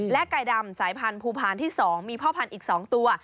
ไก่ดำสายพันธุพานที่๒มีพ่อพันธุ์อีก๒ตัว